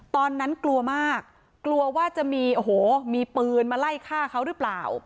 ตอนนั้นกลัวมากกลัวว่าจะมีโอ้โหมีปืนมาไล่ฆ่าเขาหรือเปล่า